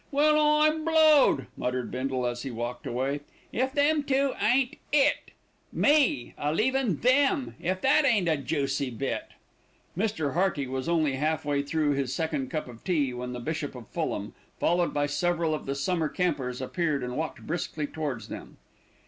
"Well, I'm blowed," muttered Bindle as he walked away. "If them two ain't IT. Me a leavin' them. If that ain't a juicy bit." Mr. Hearty was only half way through his second cup of tea when the Bishop of Fulham, followed by several of the summer campers, appeared and walked briskly towards them.